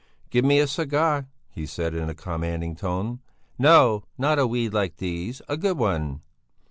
"Give me a cigar!" he said in a commanding tone; "no, not a weed like these, a good one."